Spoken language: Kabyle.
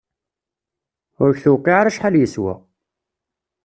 Ur k-tewqiε ara acḥal yeswa!